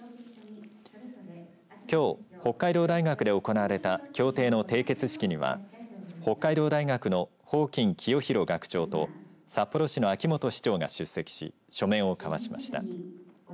きょう、北海道大学で行われた協定の締結式には北海道大学の寳金清博学長と札幌市の秋元市長が出席し書面を交わしました。